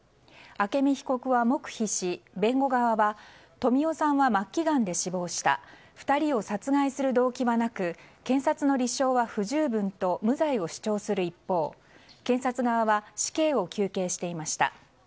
朱美被告は黙秘し弁護側は富夫さんは末期がんで死亡した２人を殺害する動機はなく検察の立証は不十分と無罪を主張する一方、検察側は死刑を求刑していました。